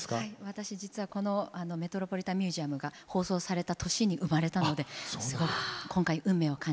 私実はこの「メトロポリタン美術館」が放送された年に生まれたのですごく今回運命を感じております。